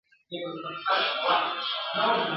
پر باقي مځکه یا کښت وي یا غوبل وي !.